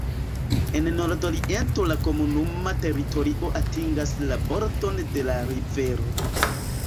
En nordoriento la komunuma teritorio atingas la bordon de la rivero.